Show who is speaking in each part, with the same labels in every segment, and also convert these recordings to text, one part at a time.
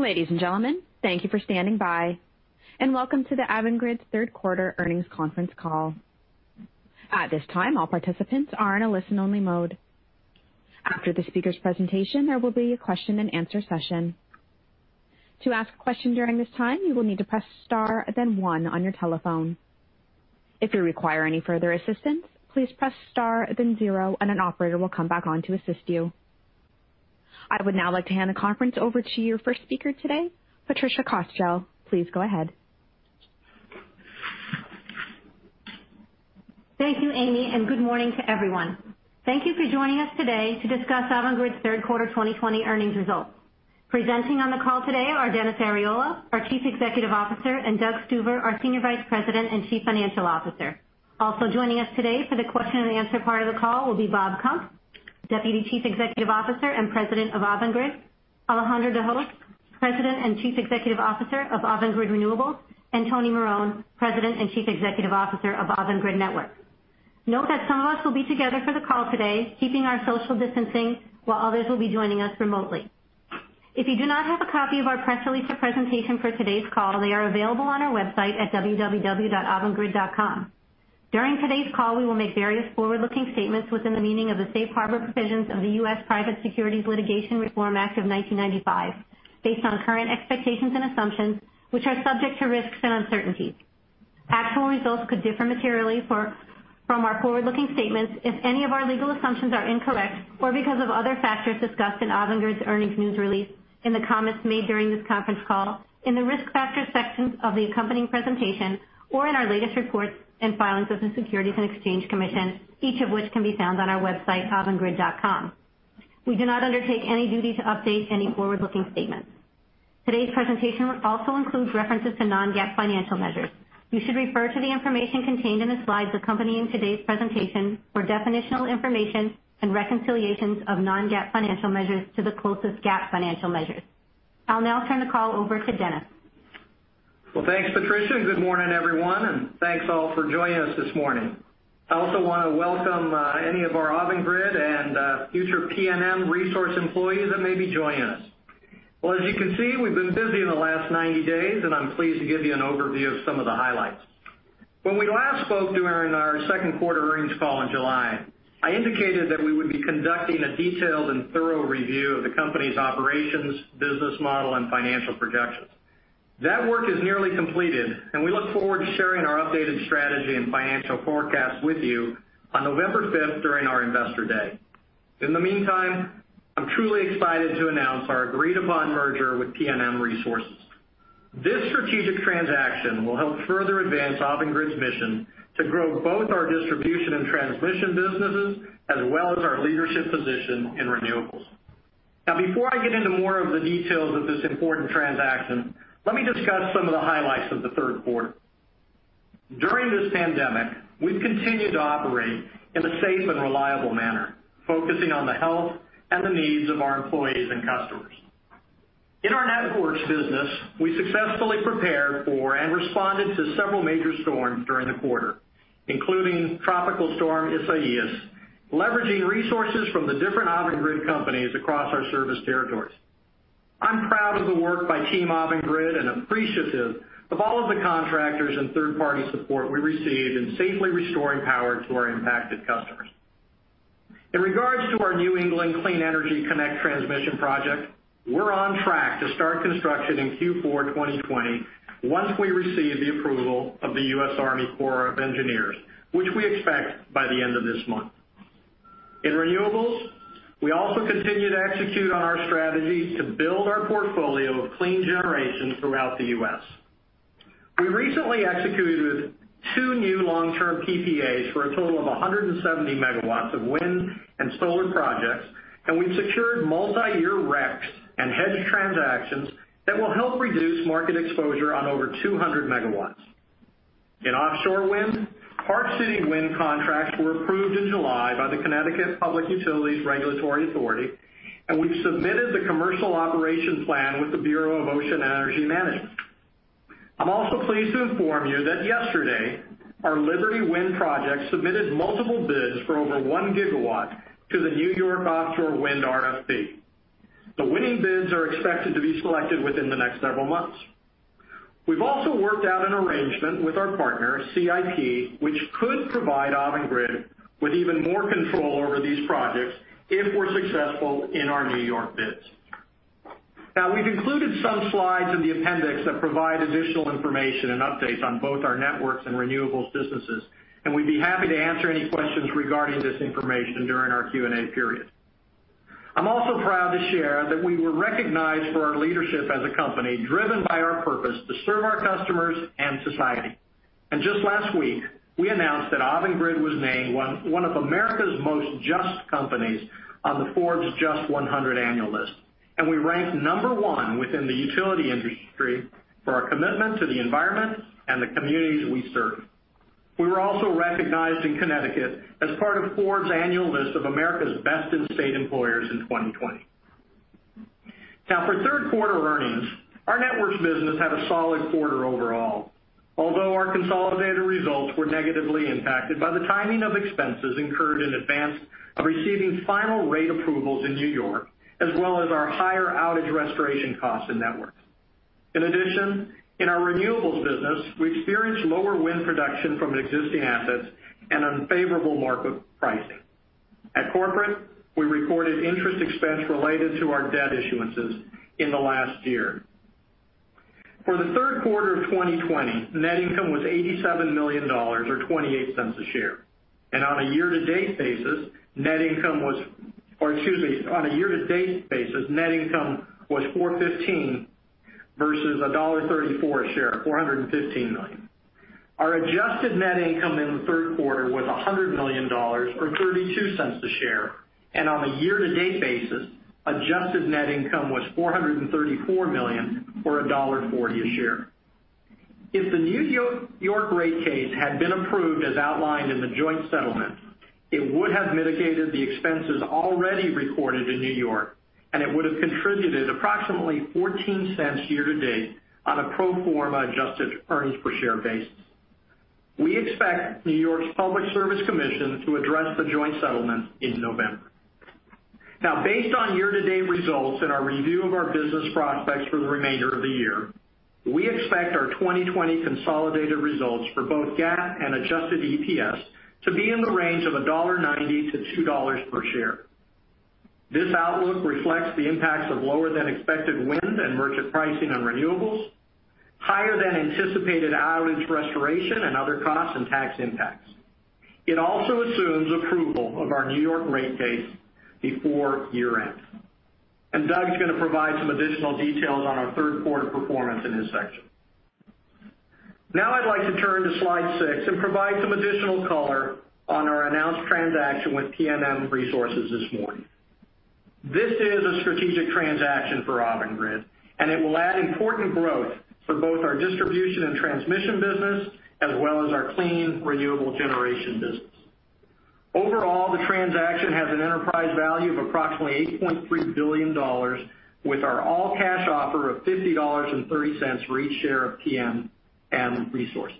Speaker 1: Ladies and gentlemen, thank you for standing by, and welcome to the Avangrid Third Quarter Earnings Conference Call. At this time, all participants are in a listen-only mode. After the speaker's presentation, there will be a question-and-answer session. To ask a question during this time, you will need to press star then one on your telephone. If you require any further assistance, please press star then zero and an operator will come back on to assist you. I would now like to hand the conference over to your first speaker today, Patricia Cosgel. Please go ahead.
Speaker 2: Thank you, Amy, and good morning to everyone. Thank you for joining us today to discuss Avangrid's third quarter 2020 earnings results. Presenting on the call today are Dennis Arriola, our Chief Executive Officer, and Doug Stuver, our Senior Vice President and Chief Financial Officer. Also joining us today for the question-and-answer part of the call will be Bob Kump, Deputy Chief Executive Officer and President of Avangrid, Alejandro de Hoz, President and Chief Executive Officer of Avangrid Renewables, and Tony Marone, President and Chief Executive Officer of Avangrid Networks. Note that some of us will be together for the call today, keeping our social distancing, while others will be joining us remotely. If you do not have a copy of our press release or presentation for today's call, they are available on our website at www.avangrid.com. During today's call, we will make various forward-looking statements within the meaning of the Safe Harbor Provisions of the U.S. Private Securities Litigation Reform Act of 1995, based on current expectations and assumptions, which are subject to risks and uncertainties. Actual results could differ materially from our forward-looking statements if any of our legal assumptions are incorrect, or because of other factors discussed in Avangrid's earnings news release, in the comments made during this conference call, in the Risk Factors section of the accompanying presentation, or in our latest reports and filings with the Securities and Exchange Commission, each of which can be found on our website, avangrid.com. We do not undertake any duty to update any forward-looking statements. Today's presentation will also include references to non-GAAP financial measures. You should refer to the information contained in the slides accompanying today's presentation for definitional information and reconciliations of non-GAAP financial measures to the closest GAAP financial measures. I'll now turn the call over to Dennis.
Speaker 3: Thanks, Patricia, and good morning, everyone, and thanks all for joining us this morning. I also want to welcome any of our Avangrid and future PNM Resources employees that may be joining us. As you can see, we've been busy in the last 90 days, and I'm pleased to give you an overview of some of the highlights. When we last spoke during our second quarter earnings call in July, I indicated that we would be conducting a detailed and thorough review of the company's operations, business model, and financial projections. That work is nearly completed, and we look forward to sharing our updated strategy and financial forecast with you on November 5 during our Investor Day. In the meantime, I'm truly excited to announce our agreed-upon merger with PNM Resources. This strategic transaction will help further advance Avangrid's mission to grow both our distribution and transmission businesses, as well as our leadership position in renewables. Before I get into more of the details of this important transaction, let me discuss some of the highlights of the third quarter. During this pandemic, we've continued to operate in a safe and reliable manner, focusing on the health and the needs of our employees and customers. In our Networks business, we successfully prepared for and responded to several major storms during the quarter, including Tropical Storm Isaias, leveraging resources from the different Avangrid companies across our service territories. I'm proud of the work by Team Avangrid and appreciative of all of the contractors and third-party support we received in safely restoring power to our impacted customers. In regards to our New England Clean Energy Connect transmission project, we're on track to start construction in Q4 2020 once we receive the approval of the U.S. Army Corps of Engineers, which we expect by the end of this month. In renewables, we also continue to execute on our strategy to build our portfolio of clean generation throughout the U.S. We recently executed two new long-term PPAs for a total of 170 MW of wind and solar projects, and we've secured multi-year RECs and hedge transactions that will help reduce market exposure on over 200 MW. In offshore wind, Park City Wind contracts were approved in July by the Connecticut Public Utilities Regulatory Authority, and we've submitted the commercial operation plan with the Bureau of Ocean Energy Management. I'm also pleased to inform you that yesterday, our Liberty Wind project submitted multiple bids for over 1 GW to the New York offshore wind RFP. The winning bids are expected to be selected within the next several months. We've also worked out an arrangement with our partner, CIP, which could provide Avangrid with even more control over these projects if we're successful in our New York bids. Now, we've included some slides in the appendix that provide additional information and updates on both our Networks and Renewables businesses, and we'd be happy to answer any questions regarding this information during our Q&A period. I'm also proud to share that we were recognized for our leadership as a company driven by our purpose to serve our customers and society. Just last week, we announced that Avangrid was named one of America's most just companies on the Forbes JUST 100 annual list, and we ranked number one within the utility industry for our commitment to the environment and the communities we serve. We were also recognized in Connecticut as part of Forbes' annual list of America's Best in State Employers in 2020. Now, for third quarter earnings, our Networks business had a solid quarter overall. Our consolidated results were negatively impacted by the timing of expenses incurred in advance of receiving final rate approvals in New York, as well as our higher outage restoration costs and Networks. In addition, in our Renewables business, we experienced lower wind production from existing assets and unfavorable market pricing. At Corporate, we recorded interest expense related to our debt issuances in the last year. For the third quarter of 2020, net income was $87 million, or $0.28 a share. On a year-to-date basis, net income was $415 million versus $1.34 a share, $415 million. Our adjusted net income in the third quarter was $100 million, or $0.32 a share, and on a year-to-date basis, adjusted net income was $434 million, or $1.40 a share. If the New York rate case had been approved as outlined in the joint settlement, it would have mitigated the expenses already recorded in New York, and it would've contributed approximately $0.14 year-to-date on a pro forma adjusted earnings per share basis. We expect New York Public Service Commission to address the joint settlement in November. Based on year-to-date results and our review of our business prospects for the remainder of the year, we expect our 2020 consolidated results for both GAAP and adjusted EPS to be in the range of $1.90-$2 per share. This outlook reflects the impacts of lower than expected wind and merchant pricing on renewables, higher than anticipated outage restoration and other costs and tax impacts. It also assumes approval of our New York rate case before year-end. Doug's going to provide some additional details on our third quarter performance in his section. I'd like to turn to slide six and provide some additional color on our announced transaction with PNM Resources this morning. This is a strategic transaction for Avangrid, and it will add important growth for both our distribution and transmission business, as well as our clean, renewable generation business. Overall, the transaction has an enterprise value of approximately $8.3 billion, with our all-cash offer of $50.30 for each share of PNM Resources.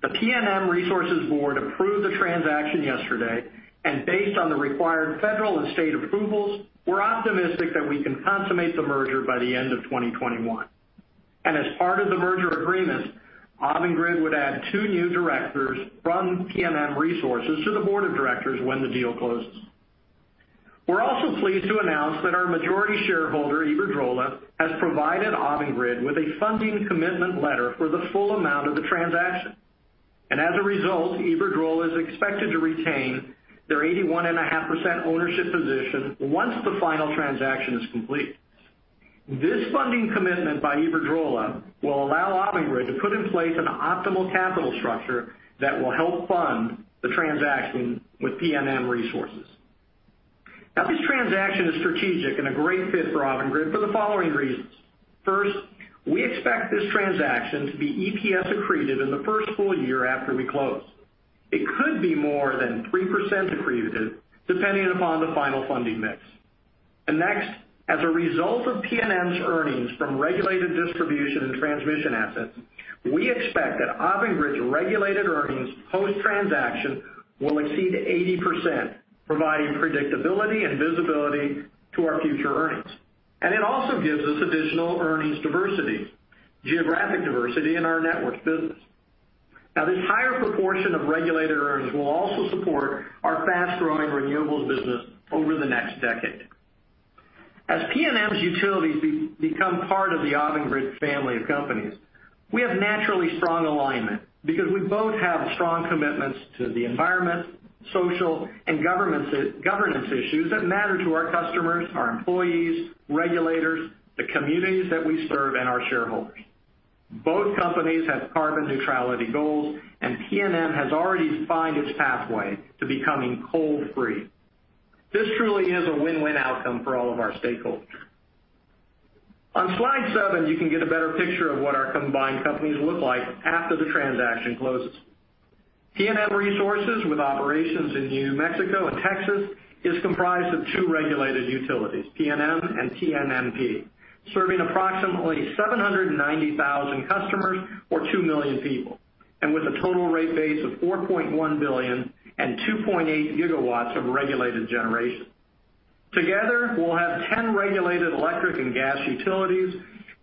Speaker 3: The PNM Resources board approved the transaction yesterday, and based on the required federal and state approvals, we're optimistic that we can consummate the merger by the end of 2021. As part of the merger agreement, Avangrid would add two new directors from PNM Resources to the board of directors when the deal closes. We're also pleased to announce that our majority shareholder, Iberdrola, has provided Avangrid with a funding commitment letter for the full amount of the transaction. As a result, Iberdrola is expected to retain their 81.5% ownership position once the final transaction is complete. This funding commitment by Iberdrola will allow Avangrid to put in place an optimal capital structure that will help fund the transaction with PNM Resources. Now, this transaction is strategic and a great fit for Avangrid for the following reasons. First, we expect this transaction to be EPS accretive in the first full year after we close. It could be more than 3% accretive depending upon the final funding mix. Next, as a result of PNM's earnings from regulated distribution and transmission assets, we expect that Avangrid's regulated earnings post-transaction will exceed 80%, providing predictability and visibility to our future earnings. It also gives us additional earnings diversity, geographic diversity in our networks business. Now, this higher proportion of regulated earnings will also support our fast-growing renewables business over the next decade. As PNM's utilities become part of the Avangrid family of companies, we have naturally strong alignment because we both have strong commitments to the environment, social, and governance issues that matter to our customers, our employees, regulators, the communities that we serve, and our shareholders. Both companies have carbon neutrality goals, and PNM has already defined its pathway to becoming coal-free. This truly is a win-win outcome for all of our stakeholders. On slide seven, you can get a better picture of what our combined companies look like after the transaction closes. PNM Resources, with operations in New Mexico and Texas, is comprised of two regulated utilities, PNM and TNMP, serving approximately 790,000 customers or 2 million people, and with a total rate base of $4.1 billion and 2.8 GW of regulated generation. Together, we'll have 10 regulated electric and gas utilities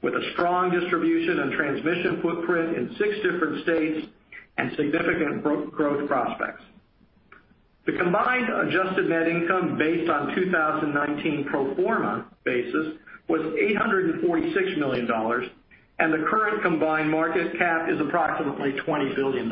Speaker 3: with a strong distribution and transmission footprint in six different states and significant growth prospects. The combined adjusted net income based on 2019 pro forma basis was $846 million, and the current combined market cap is approximately $20 billion.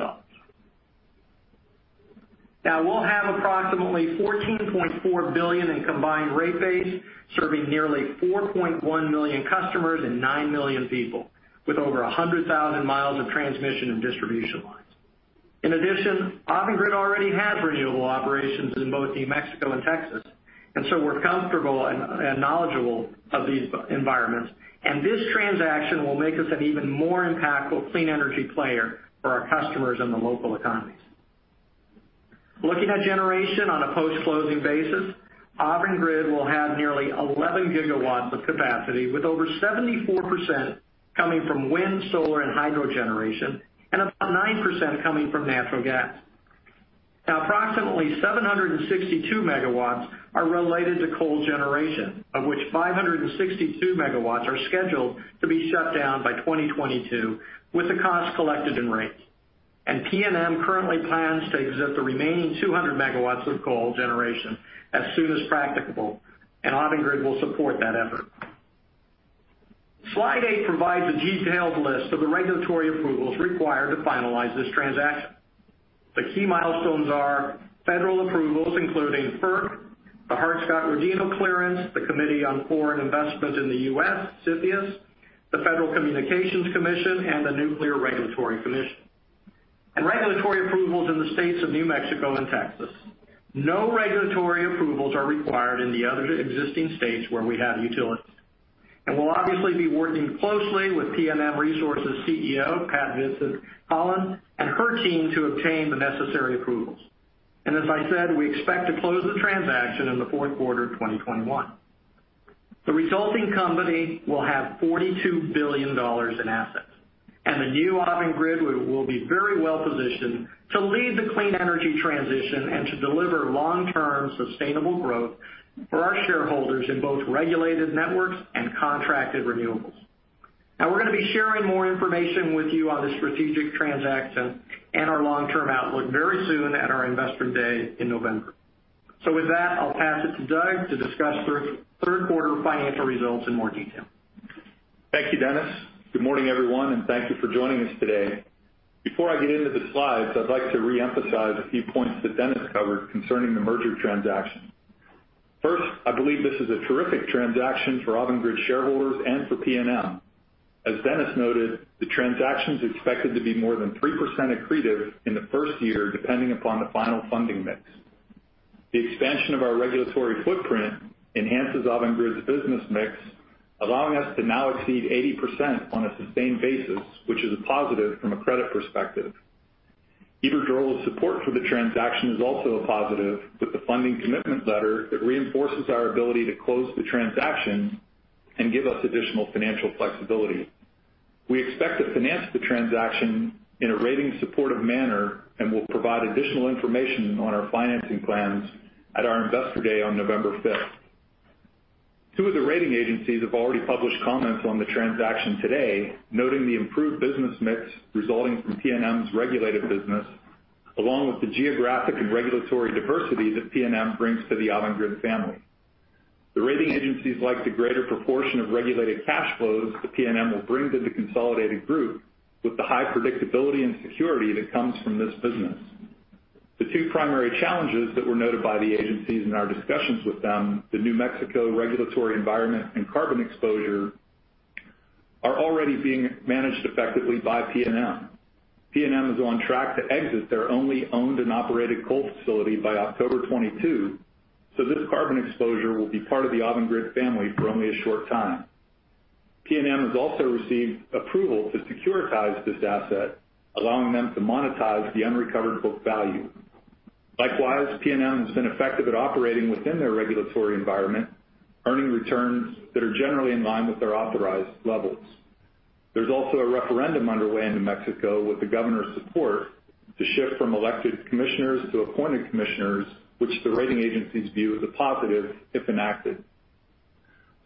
Speaker 3: We'll have approximately 14.4 billion in combined rate base, serving nearly 4.1 million customers and 9 million people, with over 100,000 miles of transmission and distribution lines. Avangrid already has renewable operations in both New Mexico and Texas, and so we're comfortable and knowledgeable of these environments, and this transaction will make us an even more impactful clean energy player for our customers and the local economies. Looking at generation on a post-closing basis, Avangrid will have nearly 11 GW of capacity, with over 74% coming from wind, solar, and hydro generation, and about 9% coming from natural gas. Now, approximately 762 MW are related to coal generation, of which 562 MW are scheduled to be shut down by 2022 with the cost collected in rates. PNM currently plans to exit the remaining 200 MW of coal generation as soon as practicable, and Avangrid will support that effort. Slide eight provides a detailed list of the regulatory approvals required to finalize this transaction. The key milestones are federal approvals, including FERC, the Hart-Scott-Rodino clearance, the Committee on Foreign Investment in the United States, CFIUS, the Federal Communications Commission, and the Nuclear Regulatory Commission, and regulatory approvals in the states of New Mexico and Texas. No regulatory approvals are required in the other existing states where we have utilities. We'll obviously be working closely with PNM Resources CEO, Pat Vincent-Collawn, and her team to obtain the necessary approvals. As I said, we expect to close the transaction in the fourth quarter of 2021. The resulting company will have $42 billion in assets, the new Avangrid will be very well-positioned to lead the clean energy transition and to deliver long-term sustainable growth for our shareholders in both regulated networks and contracted renewables. We're going to be sharing more information with you on this strategic transaction and our long-term outlook very soon at our Investor Day in November. With that, I'll pass it to Doug to discuss third quarter financial results in more detail.
Speaker 4: Thank you, Dennis. Good morning, everyone, and thank you for joining us today. Before I get into the slides, I'd like to reemphasize a few points that Dennis covered concerning the merger transaction. First, I believe this is a terrific transaction for Avangrid shareholders and for PNM. As Dennis noted, the transaction's expected to be more than 3% accretive in the first year, depending upon the final funding mix. The expansion of our regulatory footprint enhances Avangrid's business mix, allowing us to now exceed 80% on a sustained basis, which is a positive from a credit perspective. Iberdrola's support for the transaction is also a positive, with the funding commitment letter that reinforces our ability to close the transaction and give us additional financial flexibility. We expect to finance the transaction in a rating-supportive manner, and we'll provide additional information on our financing plans at our Investor Day on November 5th. Two of the rating agencies have already published comments on the transaction today, noting the improved business mix resulting from PNM's regulated business, along with the geographic and regulatory diversity that PNM brings to the Avangrid family. The rating agencies like the greater proportion of regulated cash flows that PNM will bring to the consolidated group with the high predictability and security that comes from this business. The two primary challenges that were noted by the agencies in our discussions with them, the New Mexico regulatory environment and carbon exposure, are already being managed effectively by PNM. PNM is on track to exit their only owned and operated coal facility by October 2022. This carbon exposure will be part of the Avangrid family for only a short time. PNM has also received approval to securitize this asset, allowing them to monetize the unrecovered book value. Likewise, PNM has been effective at operating within their regulatory environment, earning returns that are generally in line with their authorized levels. There's also a referendum underway in New Mexico with the governor's support to shift from elected commissioners to appointed commissioners, which the rating agencies view as a positive if enacted.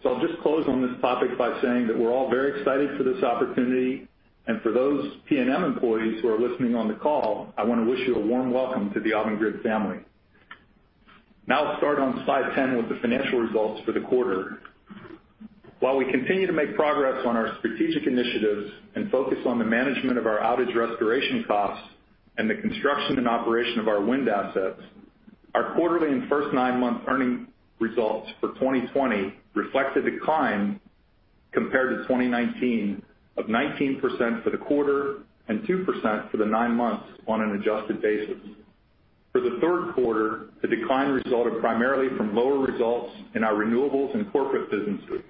Speaker 4: I'll just close on this topic by saying that we're all very excited for this opportunity, and for those PNM employees who are listening on the call, I want to wish you a warm welcome to the Avangrid family. I'll start on slide 10 with the financial results for the quarter. While we continue to make progress on our strategic initiatives and focus on the management of our outage restoration costs and the construction and operation of our wind assets, our quarterly and first nine-month earnings results for 2020 reflect a decline compared to 2019 of 19% for the quarter and 2% for the nine months on an adjusted basis. For the third quarter, the decline resulted primarily from lower results in our renewables and corporate businesses.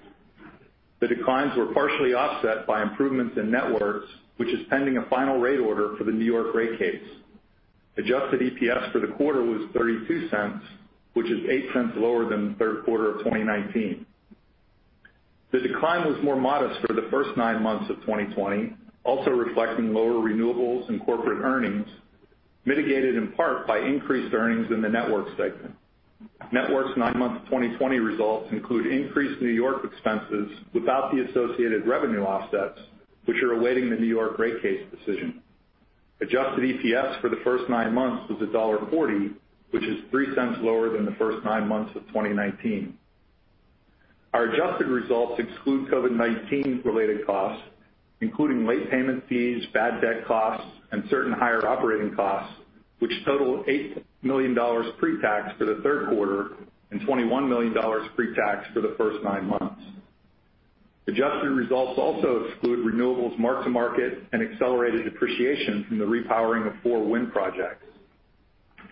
Speaker 4: The declines were partially offset by improvements in networks, which is pending a final rate order for the New York rate case. Adjusted EPS for the quarter was $0.32, which is $0.08 lower than the third quarter of 2019. The decline was more modest for the first nine months of 2020, also reflecting lower renewables and corporate earnings, mitigated in part by increased earnings in the Networks segment. Networks' nine-month 2020 results include increased New York expenses without the associated revenue offsets, which are awaiting the New York rate case decision. Adjusted EPS for the first nine months was $1.40, which is $0.03 lower than the first nine months of 2019. Our adjusted results exclude COVID-19 related costs, including late payment fees, bad debt costs, and certain higher operating costs, which total $8 million pre-tax for the third quarter and $21 million pre-tax for the first nine months. Adjusted results also exclude renewables mark-to-market and accelerated depreciation from the repowering of four wind projects.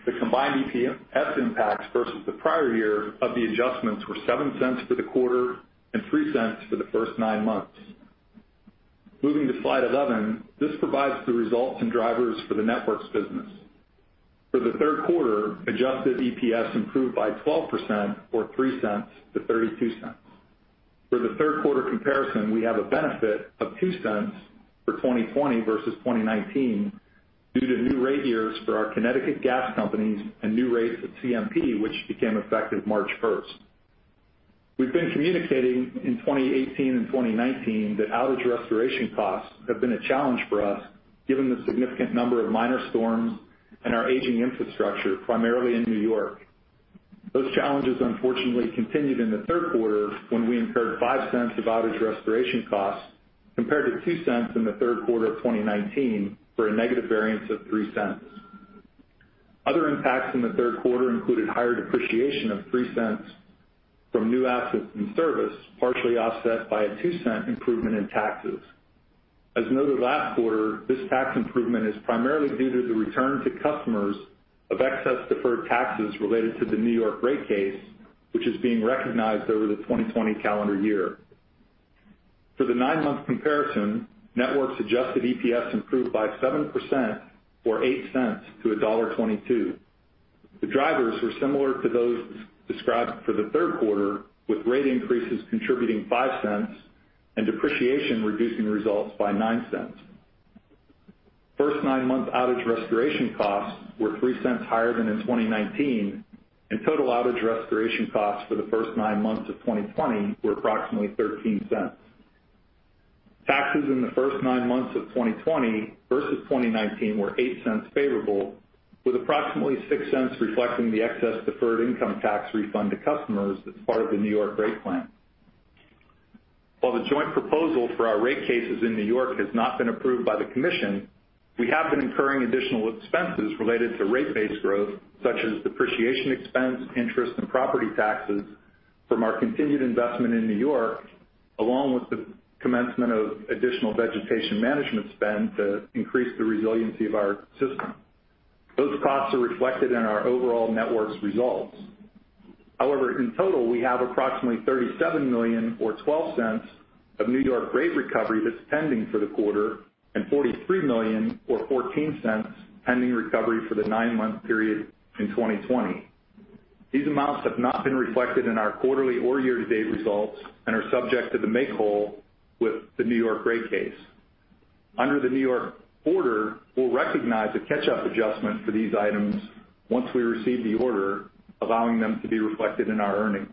Speaker 4: The combined EPS impacts versus the prior year of the adjustments were $0.07 for the quarter and $0.03 for the first nine months. Moving to slide 11, this provides the results and drivers for the Networks business. For the third quarter, adjusted EPS improved by 12% or $0.03-$0.32. For the third quarter comparison, we have a benefit of $0.02 for 2020 versus 2019 due to new rate years for our Connecticut gas companies and new rates at CMP, which became effective March 1st. We've been communicating in 2018 and 2019 that outage restoration costs have been a challenge for us, given the significant number of minor storms and our aging infrastructure, primarily in New York. Those challenges unfortunately continued in the third quarter when we incurred $0.05 of outage restoration costs, compared to $0.02 in the third quarter of 2019, for a negative variance of $0.03. Other impacts in the third quarter included higher depreciation of $0.03 from new assets and service, partially offset by a $0.02 improvement in taxes. As noted last quarter, this tax improvement is primarily due to the return to customers of excess deferred taxes related to the New York rate case, which is being recognized over the 2020 calendar year. For the nine-month comparison, Networks adjusted EPS improved by 7% or $0.08-$1.22. The drivers were similar to those described for the third quarter, with rate increases contributing $0.05 and depreciation reducing results by $0.09. First nine-month outage restoration costs were $0.03 higher than in 2019, and total outage restoration costs for the first nine months of 2020 were approximately $0.13. Taxes in the first nine months of 2020 versus 2019 were $0.08 favorable, with approximately $0.06 reflecting the excess deferred income tax refund to customers as part of the New York rate plan. While the joint proposal for our rate cases in New York has not been approved by the Commission, we have been incurring additional expenses related to rate base growth such as depreciation expense, interest, and property taxes from our continued investment in New York, along with the commencement of additional vegetation management spend to increase the resiliency of our system. Those costs are reflected in our overall Networks results. However, in total, we have approximately $37 million or $0.12 of N.Y. rate recovery that's pending for the quarter and $43 million or $0.14 pending recovery for the nine-month period in 2020. These amounts have not been reflected in our quarterly or year-to-date results and are subject to the make whole with the N.Y. rate case. Under the N.Y. order, we'll recognize a catch-up adjustment for these items once we receive the order, allowing them to be reflected in our earnings.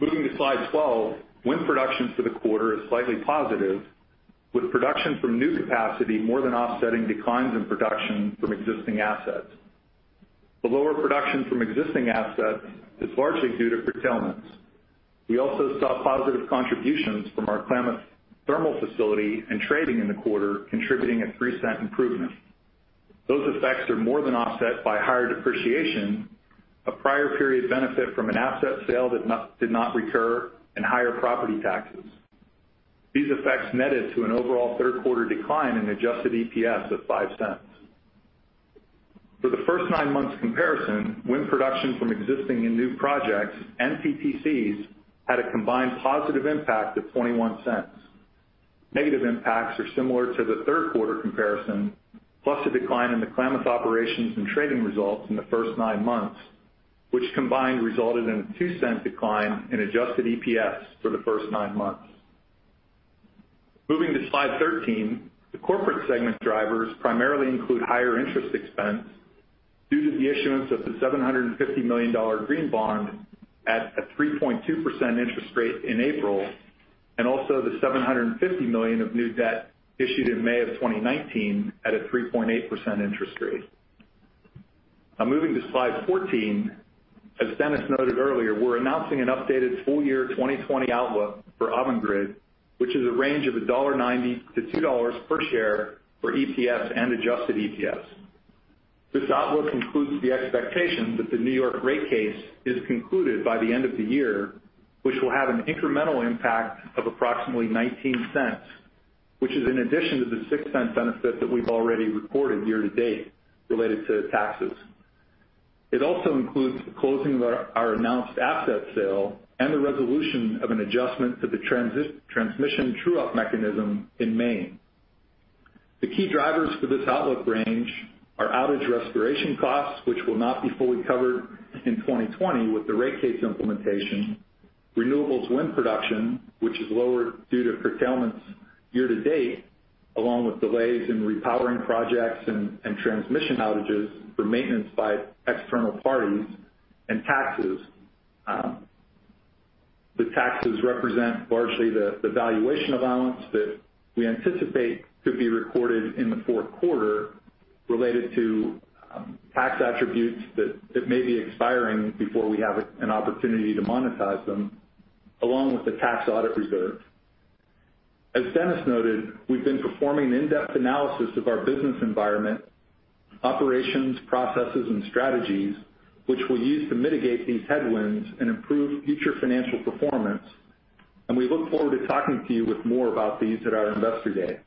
Speaker 4: Moving to slide 12, wind production for the quarter is slightly positive, with production from new capacity more than offsetting declines in production from existing assets. The lower production from existing assets is largely due to curtailments. We also saw positive contributions from our Klamath thermal facility and trading in the quarter, contributing a $0.03 improvement. Those effects are more than offset by higher depreciation, a prior period benefit from an asset sale that did not recur, and higher property taxes. These effects netted to an overall third quarter decline in adjusted EPS of $0.05. For the first nine months comparison, wind production from existing and new projects and PTCs had a combined positive impact of $0.21. Negative impacts are similar to the third quarter comparison, plus a decline in the Klamath operations and trading results in the first nine months, which combined resulted in a $0.02 decline in adjusted EPS for the first nine months. Moving to slide 13, the corporate segment drivers primarily include higher interest expense due to the issuance of the $750 million green bond at a 3.2% interest rate in April, and also the $750 million of new debt issued in May of 2019 at a 3.8% interest rate. Now moving to slide 14. As Dennis noted earlier, we're announcing an updated full-year 2020 outlook for Avangrid, which is a range of $1.90-$2 per share for EPS and adjusted EPS. This outlook includes the expectation that the New York rate case is concluded by the end of the year, which will have an incremental impact of approximately $0.19, which is in addition to the $0.06 benefit that we've already reported year-to-date related to taxes. It also includes the closing of our announced asset sale and the resolution of an adjustment to the transmission true-up mechanism in Maine. The key drivers for this outlook range are outage restoration costs, which will not be fully covered in 2020 with the rate case implementation. Renewables wind production, which is lower due to curtailments year-to-date, along with delays in repowering projects and transmission outages for maintenance by external parties and taxes. The taxes represent largely the valuation allowance that we anticipate to be recorded in the fourth quarter related to tax attributes that may be expiring before we have an opportunity to monetize them, along with the tax audit reserve. As Dennis noted, we've been performing in-depth analysis of our business environment, operations, processes, and strategies, which we'll use to mitigate these headwinds and improve future financial performance. We look forward to talking to you with more about these at our Investor Day.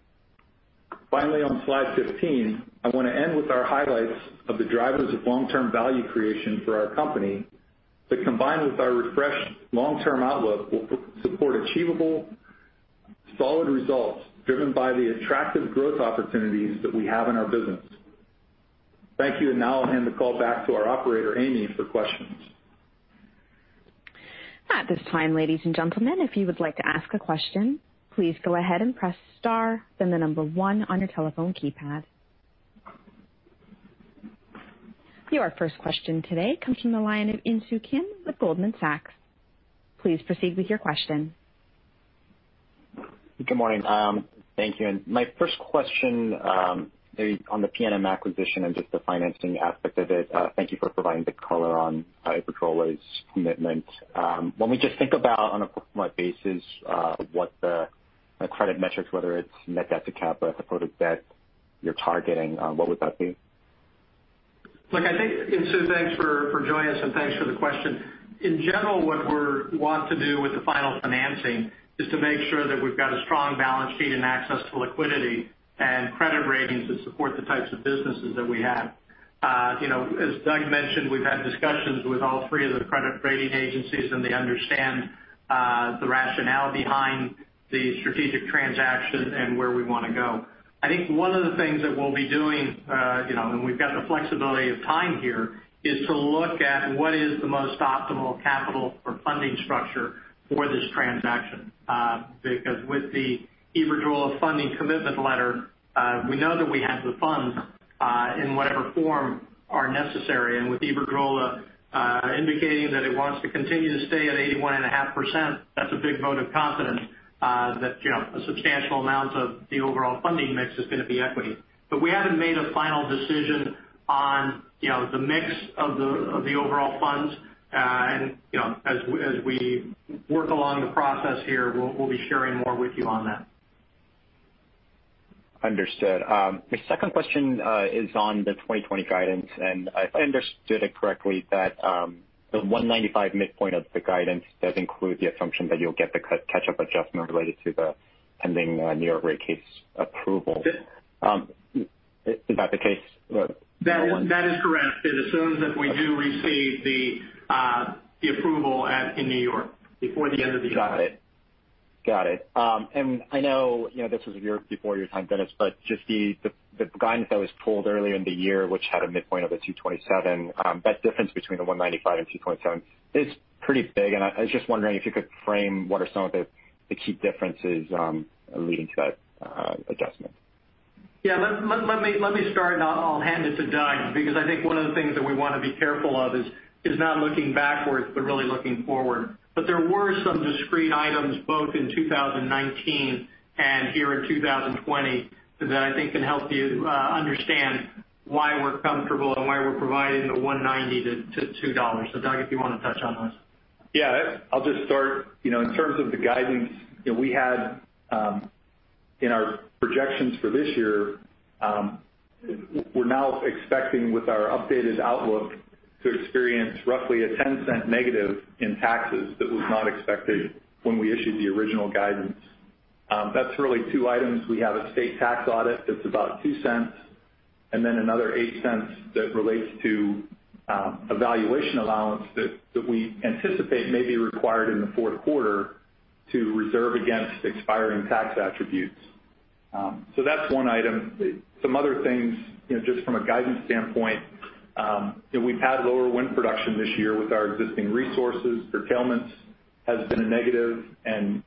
Speaker 4: Finally, on slide 15, I want to end with our highlights of the drivers of long-term value creation for our company that, combined with our refreshed long-term outlook, will support achievable solid results driven by the attractive growth opportunities that we have in our business. Thank you. Now I'll hand the call back to our operator, Amy, for questions.
Speaker 1: At this time ladies and gentlemen if you'd like to ask a question please go ahead and press star then one on your telephone keypad. Your first question today comes from the line of Insoo Kim with Goldman Sachs.
Speaker 5: Good morning. Thank you. My first question, maybe on the PNM acquisition and just the financing aspect of it, thank you for providing the color on Iberdrola's commitment. When we just think about, on a go-forward basis what the credit metrics, whether it's net debt to CapEx, or debt you're targeting, what would that be?
Speaker 3: Insoo, thanks for joining us, thanks for the question. In general, what we want to do with the final financing is to make sure that we've got a strong balance sheet and access to liquidity and credit ratings that support the types of businesses that we have. As Doug mentioned, we've had discussions with all three of the credit rating agencies, they understand the rationale behind the strategic transaction and where we want to go. I think one of the things that we'll be doing, we've got the flexibility of time here, is to look at what is the most optimal capital or funding structure for this transaction. With the Iberdrola funding commitment letter, we know that we have the funds, in whatever form, are necessary. With Iberdrola indicating that it wants to continue to stay at 81.5%, that's a big vote of confidence that a substantial amount of the overall funding mix is going to be equity. We haven't made a final decision on the mix of the overall funds. As we work along the process here, we'll be sharing more with you on that.
Speaker 5: Understood. If I understood it correctly, that the $1.95 midpoint of the guidance does include the assumption that you'll get the catch-up adjustment related to the pending New York rate case approval.
Speaker 3: Yes.
Speaker 5: Is that the case?
Speaker 3: That is correct. It assumes that we do receive the approval in New York before the end of the year.
Speaker 5: Got it. I know this was before your time, Dennis, but just the guidance that was pulled earlier in the year, which had a midpoint of the $2.27, that difference between the $1.95 and $2.27 is pretty big, and I was just wondering if you could frame what are some of the key differences leading to that adjustment.
Speaker 3: Yeah. Let me start, and I'll hand it to Doug, because I think one of the things that we want to be careful of is not looking backwards, but really looking forward. There were some discrete items both in 2019 and here in 2020 that I think can help you understand why we're comfortable and why we're providing the $1.90-$2. Doug, if you want to touch on those.
Speaker 4: Yeah. I'll just start. In terms of the guidance we had in our projections for this year, we're now expecting with our updated outlook to experience roughly a $0.10 negative in taxes that was not expected when we issued the original guidance. That's really two items. We have a state tax audit that's about $0.02, and then another $0.08 that relates to a valuation allowance that we anticipate may be required in the fourth quarter to reserve against expiring tax attributes. That's one item. Some other things, just from a guidance standpoint, we've had lower wind production this year with our existing resources. Curtailment has been a negative and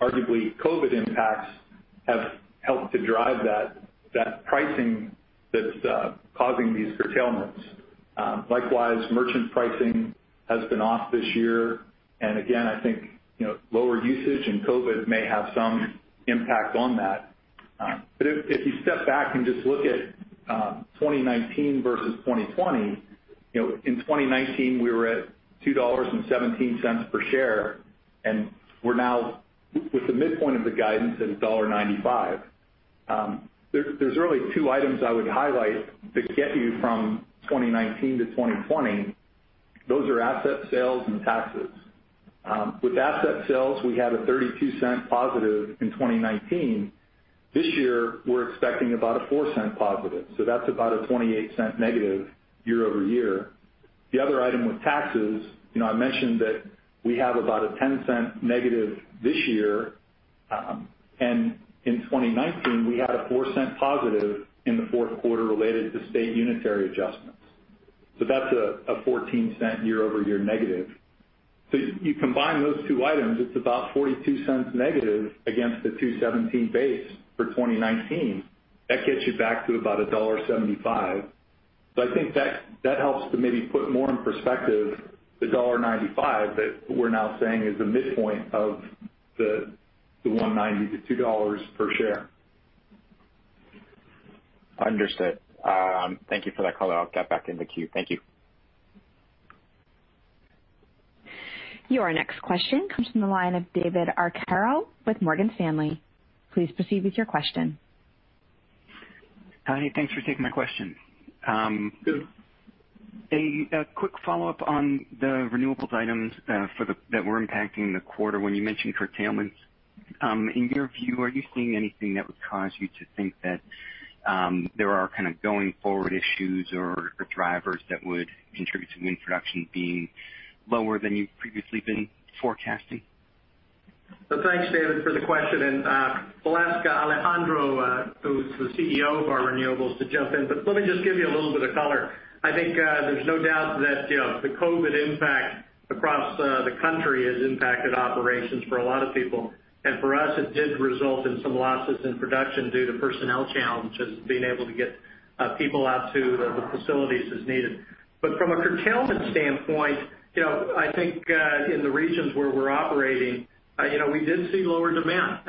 Speaker 4: arguably COVID-19 impacts have helped to drive that pricing that's causing these curtailments. Likewise, merchant pricing has been off this year, and again, I think lower usage and COVID-19 may have some impact on that. If you step back and just look at 2019 versus 2020, in 2019 we were at $2.17 per share, and we're now with the midpoint of the guidance at $1.95. There's really two items I would highlight that get you from 2019-2020. Those are asset sales and taxes. With asset sales, we had a +$0.32 in 2019. This year, we're expecting about a +$0.04, so that's about a -$0.28 year-over-year. The other item with taxes, I mentioned that we have about a -$0.10 this year. In 2019, we had a +$0.04 in the fourth quarter related to state unitary adjustments. That's a $0.14 year-over-year negative. You combine those two items, it's about -$0.42 against the $2.17 base for 2019. That gets you back to about $1.75. I think that helps to maybe put more in perspective the $1.95 that we're now saying is the midpoint of the $1.90-$2 per share.
Speaker 5: Understood. Thank you for that color. I'll get back in the queue. Thank you.
Speaker 1: Your next question comes from the line of David Arcaro with Morgan Stanley. Please proceed with your question.
Speaker 6: Hi. Thanks for taking my question.
Speaker 3: Sure.
Speaker 6: A quick follow-up on the renewables items that were impacting the quarter when you mentioned curtailments. In your view, are you seeing anything that would cause you to think that there are kind of going-forward issues or drivers that would contribute to wind production being lower than you've previously been forecasting?
Speaker 3: Thanks, David, for the question, and we'll ask Alejandro, who's the CEO of our renewables, to jump in. Let me just give you a little bit of color. I think there's no doubt that the COVID impact across the country has impacted operations for a lot of people. For us, it did result in some losses in production due to personnel challenges, being able to get people out to the facilities as needed. From a curtailment standpoint, I think, in the regions where we're operating, we did see lower demand.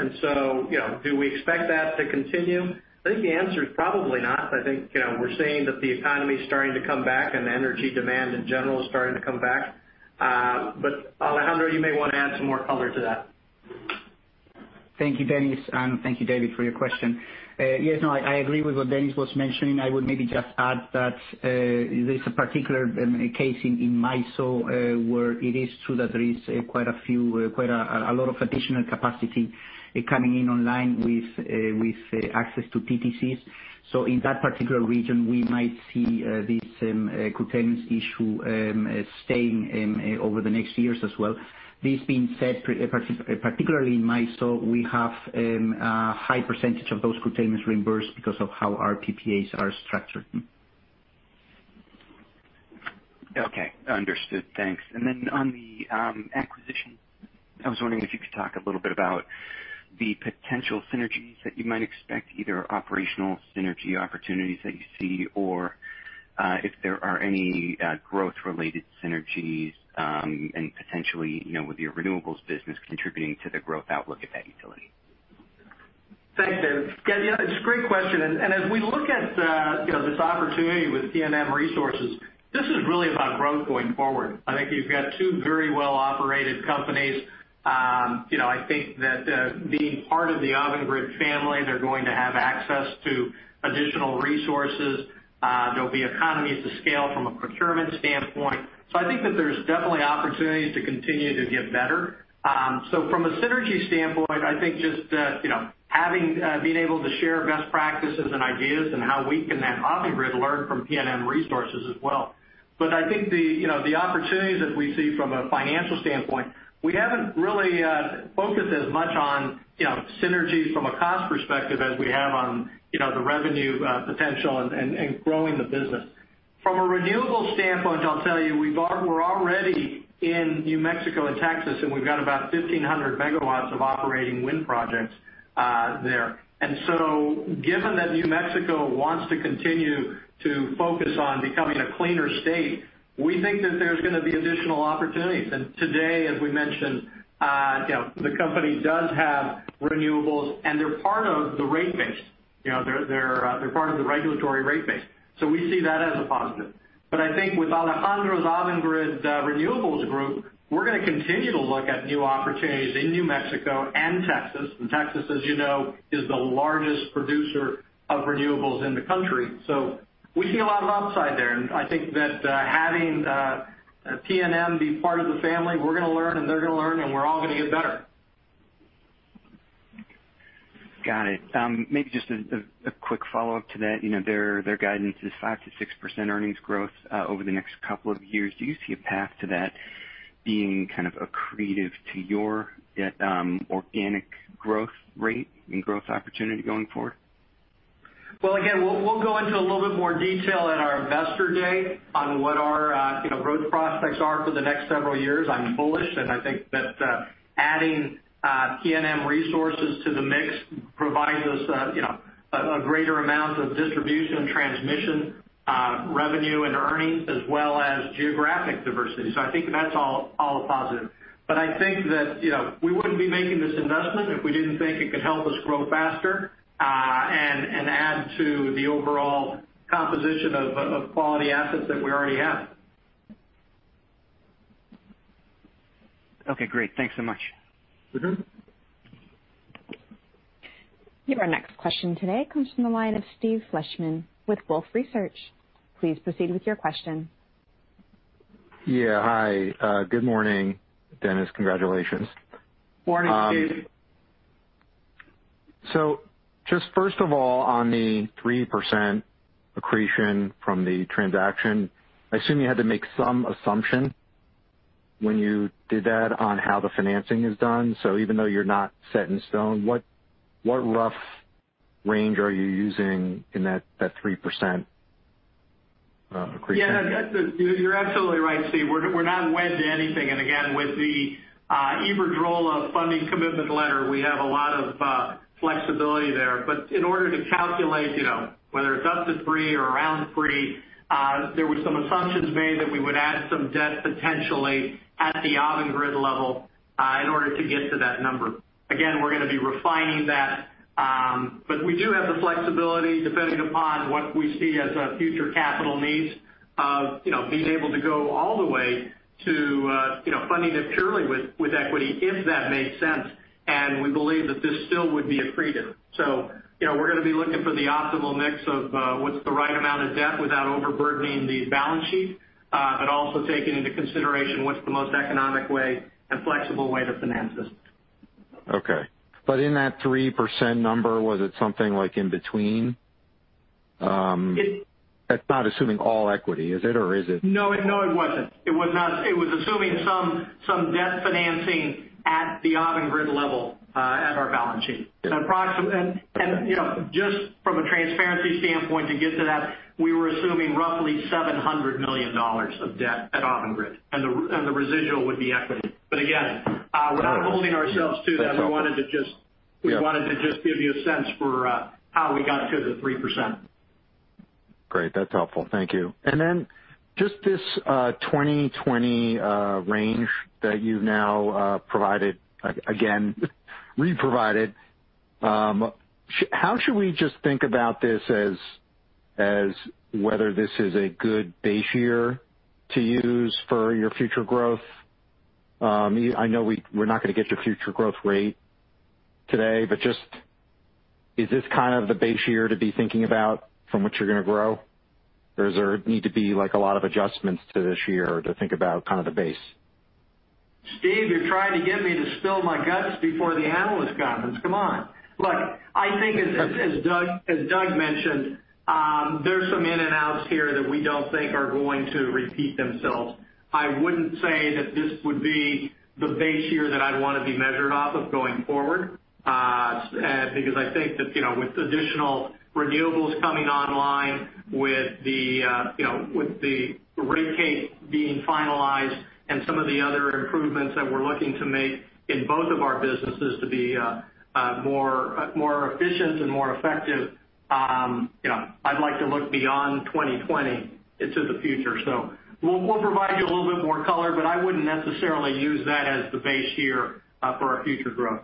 Speaker 3: Do we expect that to continue? I think the answer is probably not. I think we're seeing that the economy's starting to come back, and energy demand in general is starting to come back. Alejandro, you may want to add some more color to that.
Speaker 7: Thank you, Dennis, and thank you, David, for your question. Yes, no, I agree with what Dennis was mentioning. I would maybe just add that there's a particular case in MISO, where it is true that there is quite a lot of additional capacity coming in online with access to PTCs. In that particular region, we might see this curtailments issue staying over the next years as well. This being said, particularly in MISO, we have a high percentage of those curtailments reimbursed because of how our PPAs are structured.
Speaker 6: Okay. Understood. Thanks. On the acquisition, I was wondering if you could talk a little bit about the potential synergies that you might expect, either operational synergy opportunities that you see or if there are any growth-related synergies, and potentially, with your renewables business contributing to the growth outlook at that utility.
Speaker 3: Thanks, David. Yeah. It's a great question, and as we look at this opportunity with PNM Resources, this is really about growth going forward. I think you've got two very well-operated companies. I think that being part of the Avangrid family, they're going to have access to additional resources. There'll be economies of scale from a procurement standpoint. I think that there's definitely opportunities to continue to get better. From a synergy standpoint, I think just being able to share best practices and ideas and how we can have Avangrid learn from PNM Resources as well. I think the opportunities that we see from a financial standpoint, we haven't really focused as much on synergies from a cost perspective as we have on the revenue potential and growing the business. From a renewables standpoint, I'll tell you, we're already in New Mexico and Texas, we've got about 1,500 MW of operating wind projects there. Given that New Mexico wants to continue to focus on becoming a cleaner state, we think that there's going to be additional opportunities. Today, as we mentioned, the company does have renewables, and they're part of the rate base. They're part of the regulatory rate base. We see that as a positive. I think with Alejandro's Avangrid Renewables group, we're going to continue to look at new opportunities in New Mexico and Texas. Texas, as you know, is the largest producer of renewables in the country. We see a lot of upside there, and I think that having PNM be part of the family, we're going to learn and they're going to learn, and we're all going to get better.
Speaker 6: Got it. Maybe just a quick follow-up to that. Their guidance is 5%-6% earnings growth over the next couple of years. Do you see a path to that being kind of accretive to your organic growth rate and growth opportunity going forward?
Speaker 3: Well, again, we'll go into a little bit more detail at our investor day on what our growth prospects are for the next several years. I'm bullish, and I think that adding PNM Resources to the mix provides us a greater amount of distribution and transmission revenue and earnings as well as geographic diversity. I think that's all a positive. I think that we wouldn't be making this investment if we didn't think it could help us grow faster and add to the overall composition of quality assets that we already have.
Speaker 6: Okay, great. Thanks so much.
Speaker 1: Your next question today comes from the line of Steve Fleishman with Wolfe Research. Please proceed with your question.
Speaker 8: Yeah. Hi. Good morning. Dennis, congratulations.
Speaker 3: Morning, Steve.
Speaker 8: Just first of all, on the 3% accretion from the transaction, I assume you had to make some assumption when you did that on how the financing is done. Even though you're not set in stone, what rough range are you using in that 3% accretion?
Speaker 3: Yeah. You're absolutely right, Steve. We're not wed to anything. Again, with the Iberdrola funding commitment letter, we have a lot of flexibility there. In order to calculate whether it's up to three or around three, there were some assumptions made that we would add some debt potentially at the Avangrid level in order to get to that number. Again, we're going to be refining that, but we do have the flexibility depending upon what we see as future capital needs of all the way to funding it purely with equity, if that makes sense. We believe that this still would be accretive. We're going to be looking for the optimal mix of what's the right amount of debt without overburdening the balance sheet, but also taking into consideration what's the most economic way and flexible way to finance this.
Speaker 8: Okay. In that 3% number, was it something like in between?
Speaker 3: It-
Speaker 8: That's not assuming all equity, is it, or is it?
Speaker 3: No, it wasn't. It was assuming some debt financing at the Avangrid level at our balance sheet. Just from a transparency standpoint, to get to that, we were assuming roughly $700 million of debt at Avangrid, and the residual would be equity. Again, we're not holding ourselves to that.
Speaker 8: That's helpful.
Speaker 3: We wanted to just give you a sense for how we got to the 3%.
Speaker 8: Great. That's helpful. Thank you. Just this 2020 range that you've now provided, again, re-provided. How should we just think about this as whether this is a good base year to use for your future growth? I know we're not going to get your future growth rate today, but just is this kind of the base year to be thinking about from which you're going to grow? Does there need to be a lot of adjustments to this year to think about the base?
Speaker 3: Steve, you're trying to get me to spill my guts before the analyst conference. Come on. Look, I think as Doug mentioned, there's some in and outs here that we don't think are going to repeat themselves. I wouldn't say that this would be the base year that I'd want to be measured off of going forward. I think that with additional renewables coming online, with the rate case being finalized, and some of the other improvements that we're looking to make in both of our businesses to be more efficient and more effective, I'd like to look beyond 2020 into the future. We'll provide you a little bit more color, but I wouldn't necessarily use that as the base year for our future growth.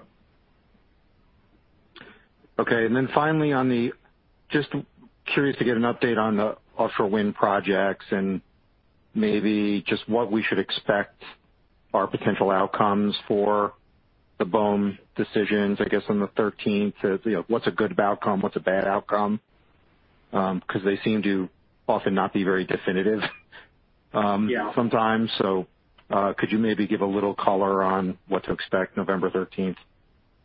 Speaker 8: Okay, finally, just curious to get an update on the offshore wind projects and maybe just what we should expect are potential outcomes for the BOEM decisions, I guess, on the 13th. What's a good outcome? What's a bad outcome? They seem to often not be very definitive.
Speaker 3: Yeah
Speaker 8: sometimes. Could you maybe give a little color on what to expect November 13th?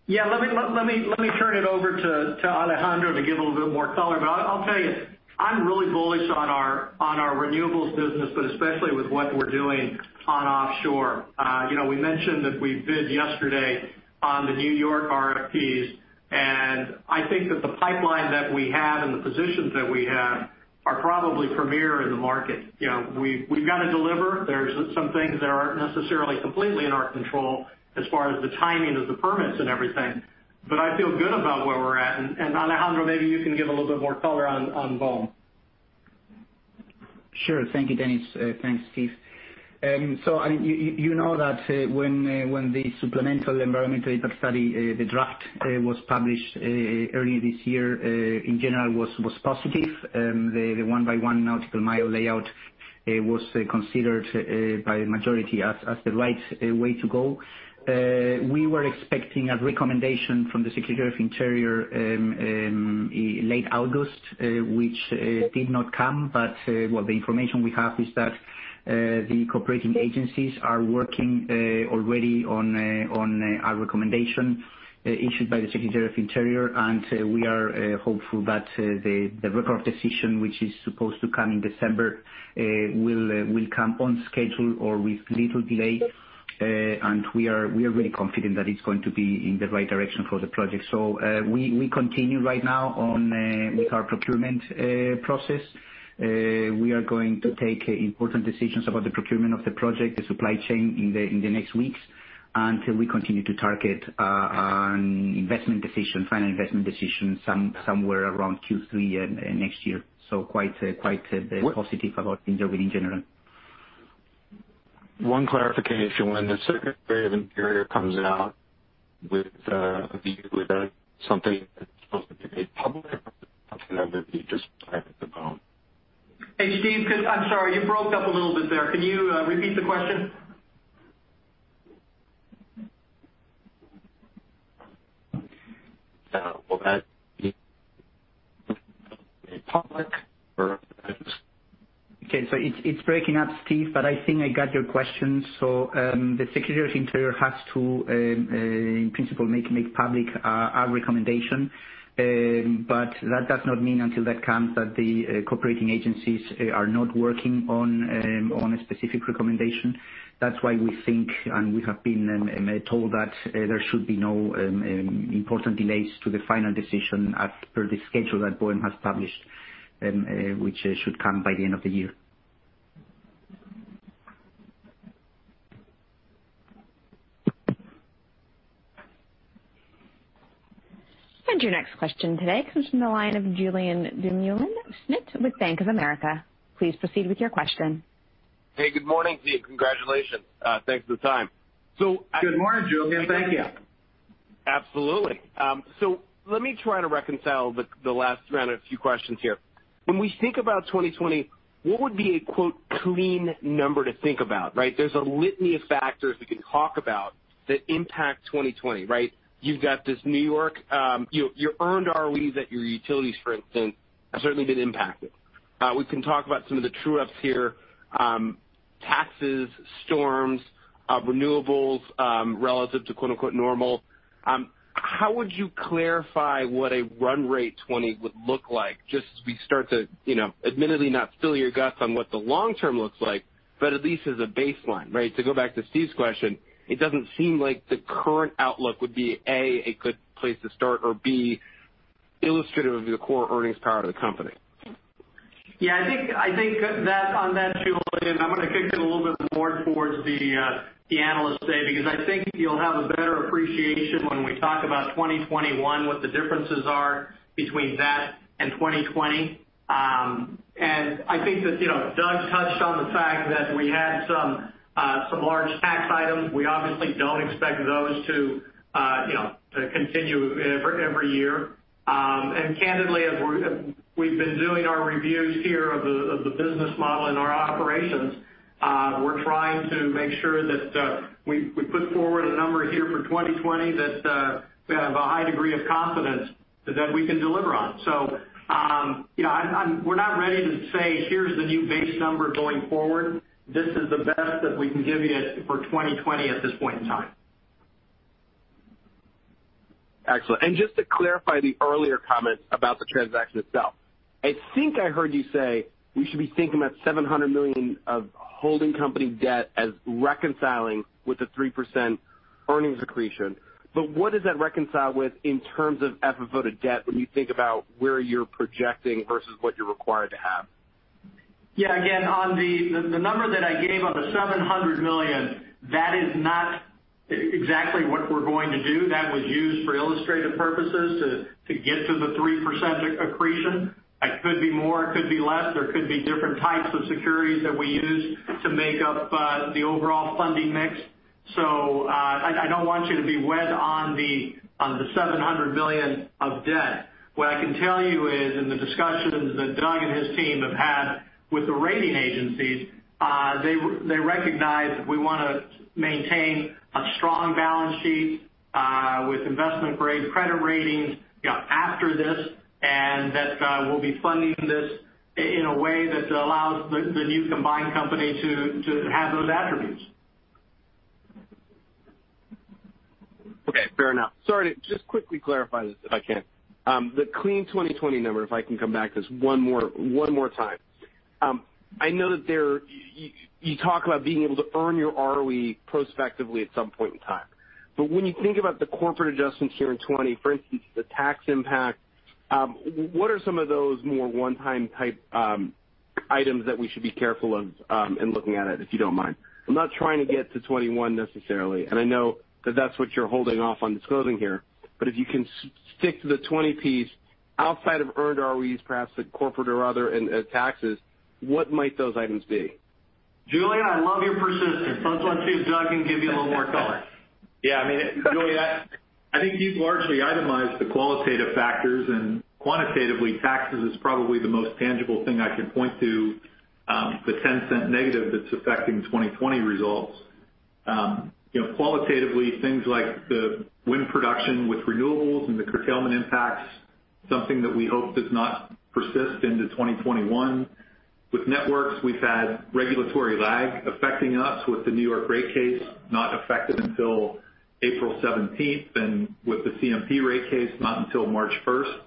Speaker 3: Yeah. Let me turn it over to Alejandro to give a little bit more color. I'll tell you, I'm really bullish on our renewables business, but especially with what we're doing on offshore. We mentioned that we bid yesterday on the New York RFPs. I think that the pipeline that we have and the positions that we have are probably premier in the market. We've got to deliver. There's some things that aren't necessarily completely in our control as far as the timing of the permits and everything. I feel good about where we're at. Alejandro, maybe you can give a little bit more color on BOEM.
Speaker 7: Sure. Thank you, Dennis. Thanks, Steve. You know that when the supplemental environmental impact study, the draft was published early this year, in general, was positive. The one-by-one nautical mile layout was considered by majority as the right way to go. We were expecting a recommendation from the Secretary of the Interior in late August, which did not come. Well, the information we have is that the cooperating agencies are working already on a recommendation issued by the Secretary of the Interior, and we are hopeful that the record of decision, which is supposed to come in December will come on schedule or with little delay. We are really confident that it's going to be in the right direction for the project. We continue right now with our procurement process. We are going to take important decisions about the procurement of the project, the supply chain in the next weeks, until we continue to target an investment decision, final investment decision somewhere around Q3 next year. Quite positive about wind turbine in general.
Speaker 8: One clarification. When the Secretary of the Interior comes out with a view, is that something that's supposed to be made public or is it something that would be just private to BOEM?
Speaker 3: Hey, Steve, I'm sorry, you broke up a little bit there. Can you repeat the question?
Speaker 8: Will that be made public or is it-
Speaker 7: Okay. It's breaking up, Steve, I think I got your question. The Secretary of the Interior has to, in principle, make public our recommendation. That does not mean until that comes that the cooperating agencies are not working on a specific recommendation. That's why we think, and we have been told that there should be no important delays to the final decision as per the schedule that BOEM has published, which should come by the end of the year.
Speaker 1: Your next question today comes from the line of Julien Dumoulin-Smith with Bank of America. Please proceed with your question.
Speaker 9: Hey, good morning to you. Congratulations. Thanks for the time.
Speaker 3: Good morning, Julien. Thank you.
Speaker 9: Absolutely. Let me try to reconcile the last round of few questions here. When we think about 2020, what would be a quote, "clean number" to think about, right? There's a litany of factors we can talk about that impact 2020, right? You've got this New York, your earned ROEs at your utilities, for instance, have certainly been impacted. We can talk about some of the true-ups here, taxes, storms, renewables, relative to quote-unquote, "normal." How would you clarify what a run rate '20 would look like, just as we start to admittedly not spill your guts on what the long term looks like, but at least as a baseline, right? To go back to Steve's question, it doesn't seem like the current outlook would be, A, a good place to start, or B, illustrative of the core earnings power of the company.
Speaker 3: Yeah, I think that on that, Julien, I'm going to kick it a little bit more towards the Analyst Day, because I think you'll have a better appreciation when we talk about 2021, what the differences are between that and 2020. I think that Doug touched on the fact that we had some large tax items. We obviously don't expect those to continue every year. Candidly, as we've been doing our reviews here of the business model and our operations, we're trying to make sure that we put forward a number here for 2020 that we have a high degree of confidence that we can deliver on. We're not ready to say, "Here's the new base number going forward." This is the best that we can give you for 2020 at this point in time.
Speaker 9: Excellent. Just to clarify the earlier comment about the transaction itself. I think I heard you say we should be thinking about $700 million of holding company debt as reconciling with the 3% earnings accretion. What does that reconcile with in terms of FFO to debt when you think about where you're projecting versus what you're required to have?
Speaker 3: Yeah, again, on the number that I gave of the $700 million, that is not exactly what we're going to do. That was used for illustrative purposes to get to the 3% accretion. It could be more, it could be less. There could be different types of securities that we use to make up the overall funding mix. I don't want you to be wed on the $700 million of debt. What I can tell you is, in the discussions that Doug and his team have had with the rating agencies, they recognize we want to maintain a strong balance sheet with investment-grade credit ratings after this, and that we'll be funding this in a way that allows the new combined company to have those attributes.
Speaker 9: Okay, fair enough. Sorry, just quickly clarify this if I can. The clean 2020 number, if I can come back to this one more time. I know that you talk about being able to earn your ROE prospectively at some point in time. When you think about the corporate adjustments here in 2020, for instance, the tax impact, what are some of those more one-time type items that we should be careful of in looking at it, if you don't mind? I'm not trying to get to 2021 necessarily, and I know that that's what you're holding off on disclosing here. If you can stick to the 2020 piece outside of earned ROEs, perhaps the corporate or other in taxes, what might those items be?
Speaker 3: Julien, I love your persistence. Let's see if Doug can give you a little more color.
Speaker 4: Julien, I think you've largely itemized the qualitative factors. Quantitatively, taxes is probably the most tangible thing I can point to, the $0.10 negative that's affecting 2020 results. Qualitatively, things like the wind production with renewables and the curtailment impact, something that we hope does not persist into 2021. With Networks, we've had regulatory lag affecting us with the New York rate case, not effective until April 17th. With the CMP rate case, not until March 1st.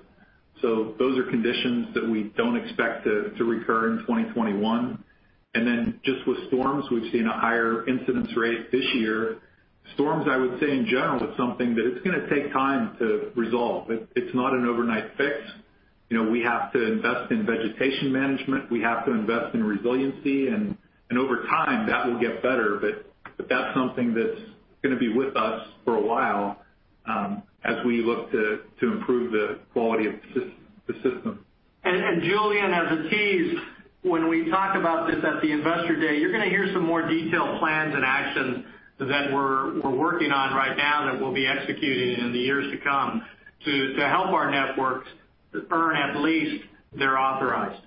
Speaker 4: Those are conditions that we don't expect to recur in 2021. Just with storms, we've seen a higher incidence rate this year. Storms, I would say in general, is something that it's going to take time to resolve. It's not an overnight fix. We have to invest in vegetation management. We have to invest in resiliency. Over time, that will get better. That's something that's going to be with us for a while as we look to improve the quality of the system.
Speaker 3: Julien, as a tease, when we talk about this at the Investor Day, you're going to hear some more detailed plans and actions that we're working on right now that we'll be executing in the years to come to help our networks earn at least their authorized.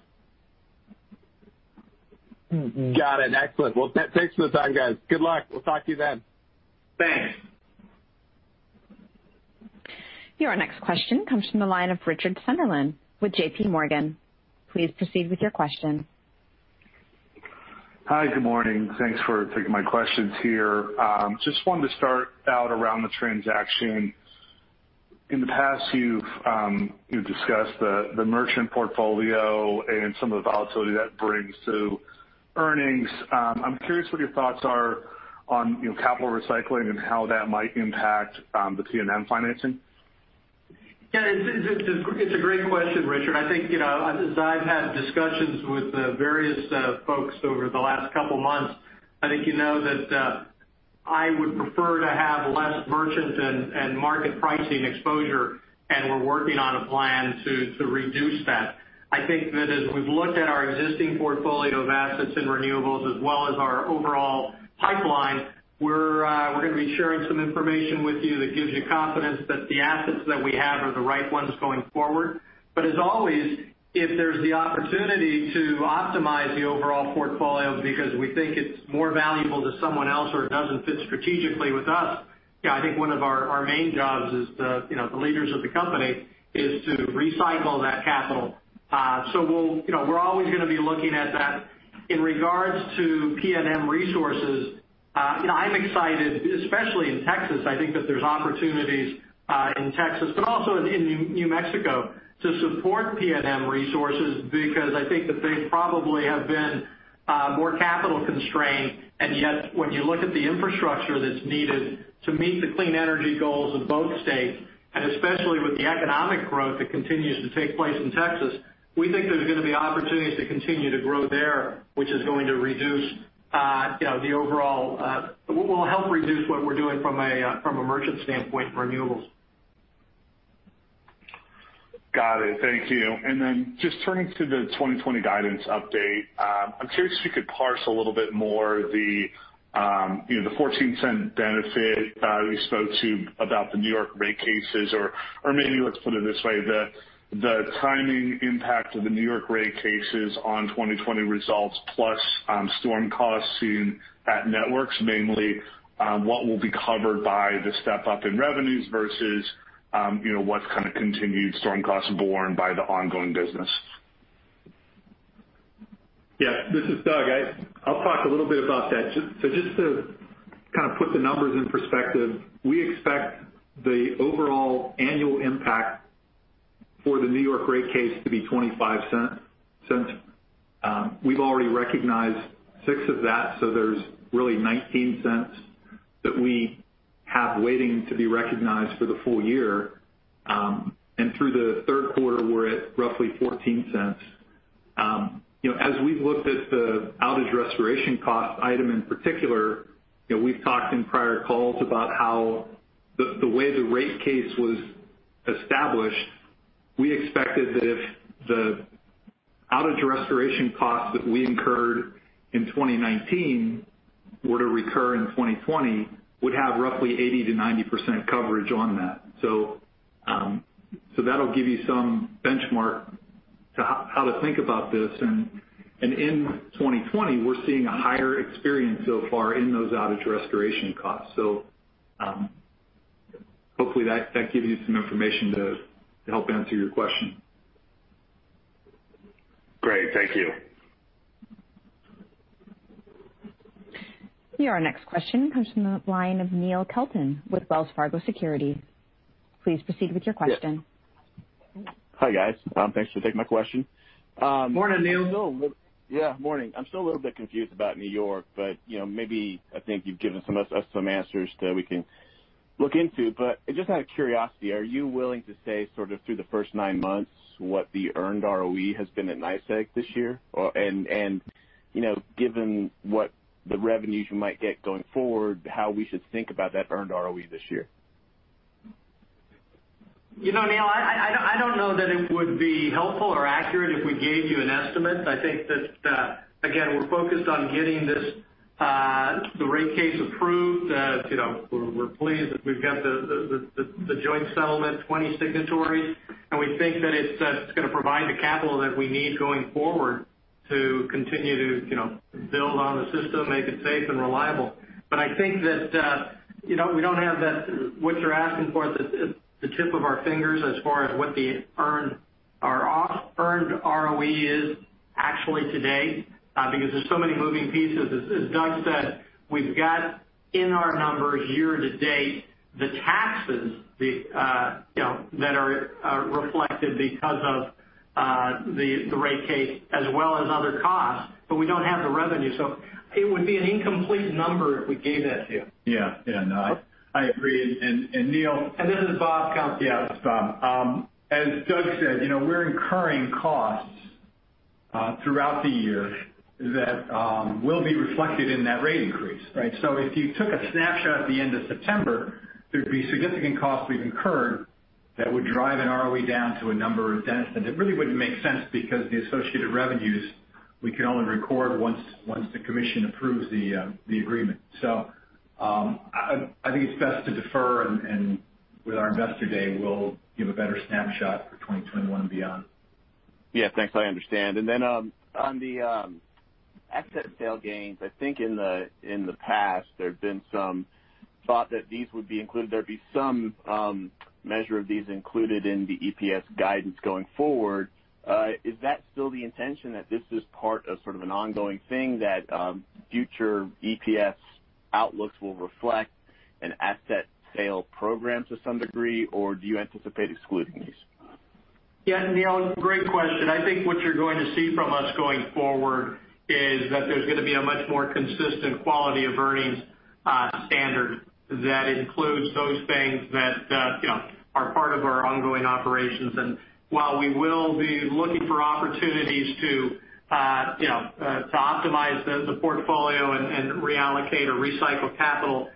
Speaker 9: Got it. Excellent. Well, thanks for the time, guys. Good luck. We'll talk to you then.
Speaker 3: Thanks.
Speaker 1: Your next question comes from the line of Richard Sunderland with JPMorgan. Please proceed with your question.
Speaker 10: Hi. Good morning. Thanks for taking my questions here. Wanted to start out around the transaction. In the past, you've discussed the merchant portfolio and some of the volatility that brings to earnings. I'm curious what your thoughts are on capital recycling and how that might impact the PNM financing.
Speaker 3: Yeah, it's a great question, Richard. I think as I've had discussions with various folks over the last couple of months, I think you know that I would prefer to have less merchant and market pricing exposure, and we're working on a plan to reduce that. I think that as we've looked at our existing portfolio of assets in renewables as well as our overall pipeline, we're going to be sharing some information with you that gives you confidence that the assets that we have are the right ones going forward. As always, if there's the opportunity to optimize the overall portfolio because we think it's more valuable to someone else or it doesn't fit strategically with us, yeah, I think one of our main jobs as the leaders of the company is to recycle that capital. We're always going to be looking at that. In regards to PNM Resources, I'm excited, especially in Texas, I think that there's opportunities in Texas, but also in New Mexico to support PNM Resources because I think that they probably have been more capital constrained, and yet when you look at the infrastructure that's needed to meet the clean energy goals of both states, and especially with the economic growth that continues to take place in Texas, we think there's going to be opportunities to continue to grow there, which will help reduce what we're doing from a merchant standpoint for renewables.
Speaker 10: Got it. Thank you. Just turning to the 2020 guidance update. I'm curious if you could parse a little bit more the $0.14 benefit you spoke to about the New York rate cases or maybe let's put it this way, the timing impact of the New York rate cases on 2020 results plus storm costs seen at networks mainly. What will be covered by the step-up in revenues versus what's kind of continued storm costs borne by the ongoing business?
Speaker 4: Yeah, this is Doug. I'll talk a little bit about that. Just to kind of put the numbers in perspective, we expect the overall annual impact for the New York rate case to be $0.25. We've already recognized six of that, there's really $0.19 that we have waiting to be recognized for the full year. Through the third quarter, we're at roughly $0.14. As we've looked at the outage restoration cost item in particular, we've talked in prior calls about how the way the rate case was established, we expected that if the outage restoration cost that we incurred in 2019 were to recur in 2020, we'd have roughly 80%-90% coverage on that. That'll give you some benchmark to how to think about this. In 2020, we're seeing a higher experience so far in those outage restoration costs. Hopefully that gives you some information to help answer your question.
Speaker 10: Great. Thank you.
Speaker 1: Your next question comes from the line of Neil Kalton with Wells Fargo Securities. Please proceed with your question.
Speaker 11: Yes. Hi, guys. Thanks for taking my question.
Speaker 3: Morning, Neil.
Speaker 11: Yeah, morning. I'm still a little bit confused about New York. Maybe I think you've given us some answers that we can look into. Just out of curiosity, are you willing to say sort of through the first nine months, what the earned ROE has been at NYSEG this year? Given what the revenues you might get going forward, how we should think about that earned ROE this year?
Speaker 3: Neil, I don't know that it would be helpful or accurate if we gave you an estimate. I think that, again, we're focused on getting the rate case approved. We're pleased that we've got the joint settlement, 20 signatories, and we think that it's going to provide the capital that we need going forward to continue to build on the system, make it safe and reliable. I think that we don't have what you're asking for at the tip of our fingers as far as what the earned ROE is actually to date because there's so many moving pieces. As Doug said, we've got in our numbers year to date, the taxes that are reflected because of the rate case as well as other costs, but we don't have the revenue. It would be an incomplete number if we gave that to you.
Speaker 4: Yeah. No, I agree.
Speaker 12: This is Bob Kump the rest, Tom. As Doug said, we're incurring costs throughout the year that will be reflected in that rate increase, right? If you took a snapshot at the end of September, there'd be significant costs we've incurred that would drive an ROE down to a number of debts, and it really wouldn't make sense because the associated revenues, we can only record once the Commission approves the agreement. I think it's best to defer, and with our Investor Day, we'll give a better snapshot for 2021 and beyond.
Speaker 11: Yeah, thanks. I understand. On the asset sale gains, I think in the past, there'd been some thought that these would be included. There'd be some measure of these included in the EPS guidance going forward. Is that still the intention that this is part of sort of an ongoing thing that future EPS outlooks will reflect an asset sale program to some degree, or do you anticipate excluding these?
Speaker 3: Yeah, Neil, great question. I think what you're going to see from us going forward is that there's going to be a much more consistent quality of earnings standard that includes those things that are part of our ongoing operations. While we will be looking for opportunities to optimize the portfolio and reallocate or recycle capital,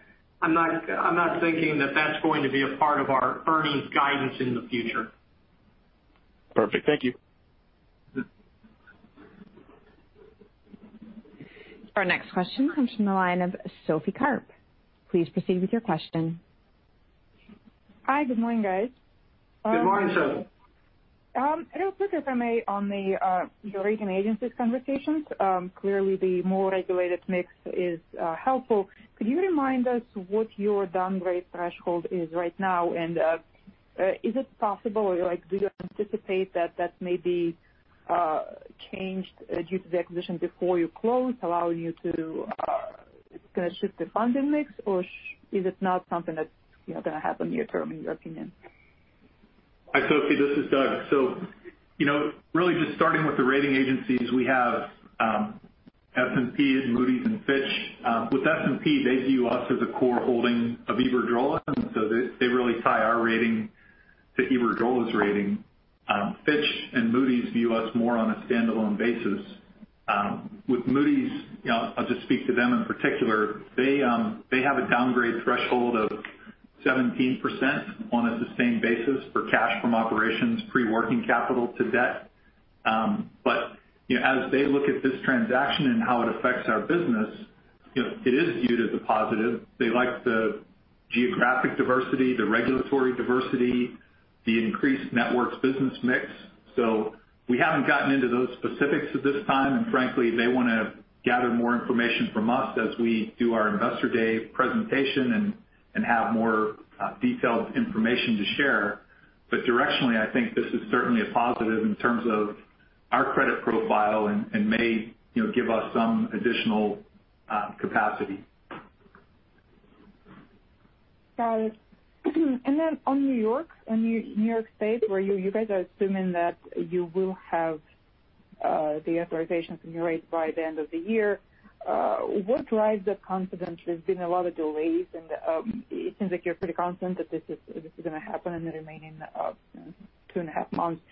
Speaker 3: I'm not thinking that that's going to be a part of our earnings guidance in the future. Perfect. Thank you.
Speaker 1: Our next question comes from the line of Sophie Karp. Please proceed with your question.
Speaker 13: Hi. Good morning, guys.
Speaker 3: Good morning, Sophie.
Speaker 13: Real quick, if I may, on the rating agencies conversations. Clearly, the more regulated mix is helpful. Could you remind us what your downgrade threshold is right now? Is it possible, or do you anticipate that that may be changed due to the acquisition before you close, allowing you to kind of shift the funding mix? Is it not something that's going to happen near-term, in your opinion?
Speaker 4: Hi, Sophie. This is Doug. Really just starting with the rating agencies, we have S&P, Moody's, and Fitch. With S&P, they view us as a core holding of Iberdrola, they really tie our rating to Iberdrola's rating. Fitch and Moody's view us more on a standalone basis. With Moody's, I'll just speak to them in particular, they have a downgrade threshold of 17% on a sustained basis for cash from operations, pre-working capital to debt. As they look at this transaction and how it affects our business, it is viewed as a positive. They like the geographic diversity, the regulatory diversity, the increased networks business mix. We haven't gotten into those specifics at this time, and frankly, they want to gather more information from us as we do our investor day presentation and have more detailed information to share. Directionally, I think this is certainly a positive in terms of our credit profile and may give us some additional capacity.
Speaker 13: Got it. Then on New York and New York State, where you guys are assuming that you will have the authorizations and your rates by the end of the year. What drives that confidence? There's been a lot of delays, and it seems like you're pretty confident that this is going to happen in the remaining two and a half months.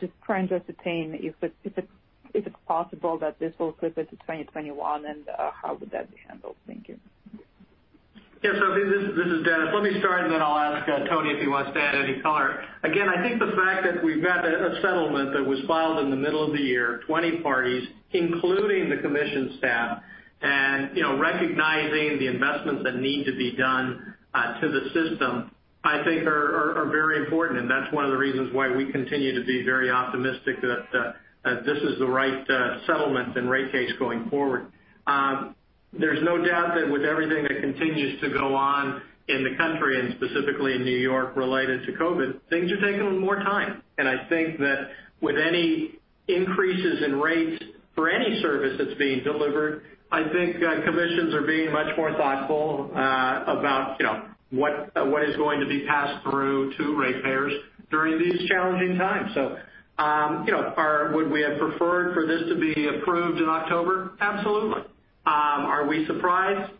Speaker 13: Just trying to ascertain if it's possible that this will clip into 2021, and how would that be handled? Thank you.
Speaker 3: Yeah. Sophie, this is Dennis. Let me start, and then I'll ask Tony if he wants to add any color. I think the fact that we've got a settlement that was filed in the middle of the year, 20 parties, including the commission staff, and recognizing the investments that need to be done to the system, I think are very important. That's one of the reasons why we continue to be very optimistic that this is the right settlement and rate case going forward. There's no doubt that with everything that continues to go on in the country and specifically in N.Y. related to COVID-19, things are taking a little more time. I think that with any increases in rates for any service that's being delivered, I think commissions are being much more thoughtful about what is going to be passed through to ratepayers during these challenging times. Would we have preferred for this to be approved in October? Absolutely. Are we surprised?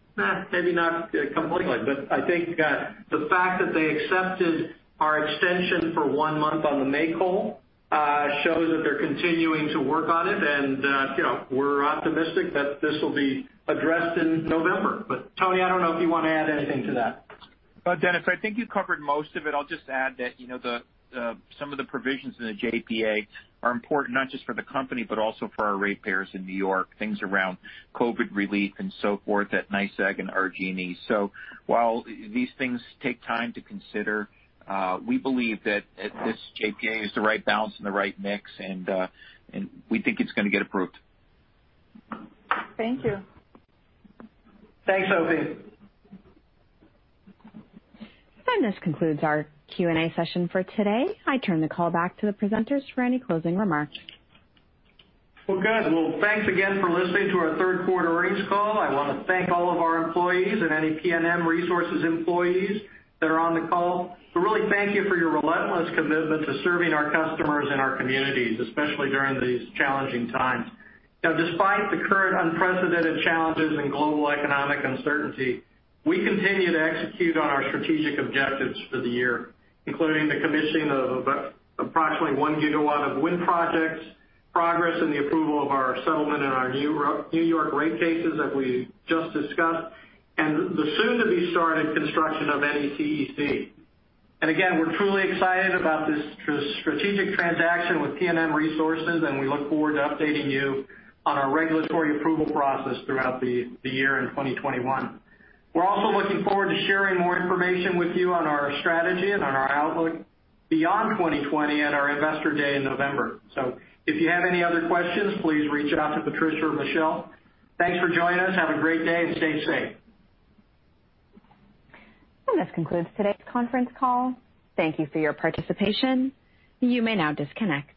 Speaker 3: Maybe not completely, but I think the fact that they accepted our extension for one month on the make-whole shows that they're continuing to work on it, and we're optimistic that this will be addressed in November. Tony, I don't know if you want to add anything to that.
Speaker 14: Dennis, I think you covered most of it. I'll just add that some of the provisions in the JPA are important, not just for the company, but also for our ratepayers in New York, things around COVID relief and so forth at NYSEG and RG&E. While these things take time to consider, we believe that this JPA is the right balance and the right mix, and we think it's going to get approved.
Speaker 13: Thank you.
Speaker 3: Thanks, Sophie.
Speaker 1: This concludes our Q&A session for today. I turn the call back to the presenters for any closing remarks.
Speaker 3: Well, good. Well, thanks again for listening to our third quarter earnings call. I want to thank all of our employees and any PNM Resources employees that are on the call. Really, thank you for your relentless commitment to serving our customers and our communities, especially during these challenging times. Despite the current unprecedented challenges and global economic uncertainty, we continue to execute on our strategic objectives for the year, including the commissioning of approximately 1 gigawatt of wind projects, progress in the approval of our settlement and our New York rate cases that we just discussed, and the soon-to-be-started construction of NECEC. Again, we're truly excited about this strategic transaction with PNM Resources, and we look forward to updating you on our regulatory approval process throughout the year in 2021. We're also looking forward to sharing more information with you on our strategy and on our outlook beyond 2020 at our Investor Day in November. If you have any other questions, please reach out to Patricia or Michelle. Thanks for joining us. Have a great day, and stay safe.
Speaker 1: This concludes today's conference call. Thank you for your participation. You may now disconnect.